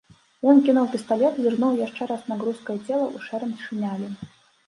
Ён кінуў пісталет, зірнуў яшчэ раз на грузкае цела ў шэрым шынялі.